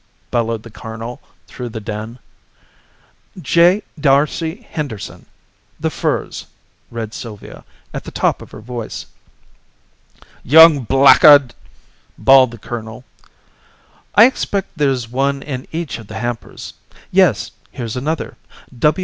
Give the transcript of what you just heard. bellowed the colonel through the din. "J. D'Arcy Henderson, The Firs," read Sylvia, at the top of her voice. "Young blackguard!" bawled the colonel. "I expect there's one in each of the hampers. Yes; here's another.